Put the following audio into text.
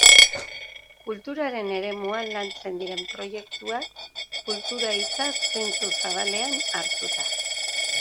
Kulturaren eremuan lantzen diren proiektuak, kultura hitza zentzu zabalean hartuta.